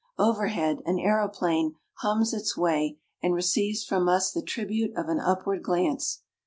Overhead an aeroplane hums its way and receives from us the tribute of an upward glance.